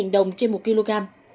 năm mươi bảy đồng trên một kg